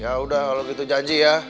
yaudah kalau gitu janji ya